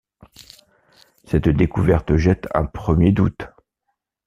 Cette découverte jette un premier doute.